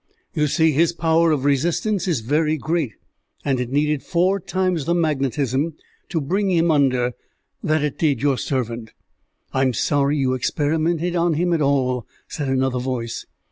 "You see, his power of resistance is very great, and it needed four times the magnetism to bring him under that it did your servant." "I'm sorry you experimented on him at all," said another voice.